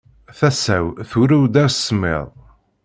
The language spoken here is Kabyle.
Tasa-w turew-d asemmiḍ.